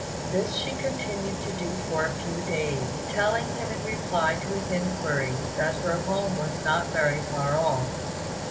This she continued to do for a few days, telling him in reply to his inquiries that her home was not very far off.